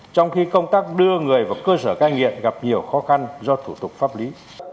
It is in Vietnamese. trong khi công tác đưa người vào cơ sở cai nghiện gặp nhiều khó khăn do thủ tục pháp lý